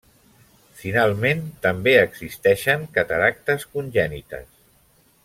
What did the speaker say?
Finalment, també existeixen cataractes congènites.